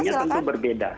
untuk sanksinya tentu berbeda